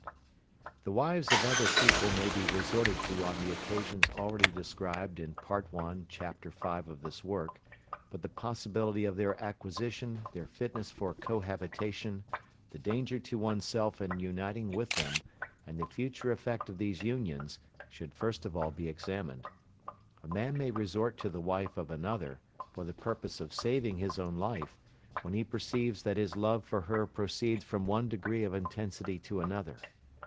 The wives of other people may be resorted to on the occasions already described in Part I., Chapter 5, of this work, but the possibility of their acquisition, their fitness for cohabitation, the danger to oneself in uniting with them, and the future effect of these unions, should first of all be examined. A man may resort to the wife of another, for the purpose of saving his own life, when he perceives that his love for her proceeds from one degree of intensity to another.